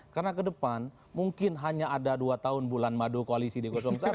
karena kedepan mungkin hanya ada dua tahun bulan madu koalisi di satu